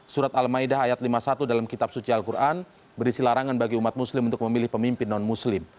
surat al ⁇ maidah ⁇ ayat lima puluh satu dalam kitab suci al quran berisi larangan bagi umat muslim untuk memilih pemimpin non muslim